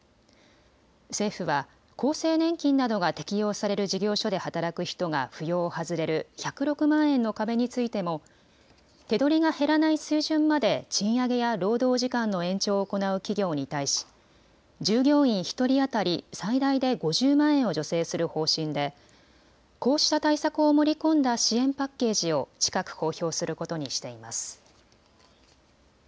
政府は厚生年金などが適用される事業所で働く人が扶養を外れる１０６万円の壁についても手取りが減らない水準まで賃上げや労働時間の延長を行う企業に対し従業員１人当たり最大で５０万円を助成する方針でこうした対策を盛り込んだ支援パッケージを近く公表することにしています。